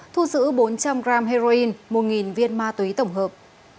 thu giữ bốn trăm linh g heroin một viên ma túy tổng hợp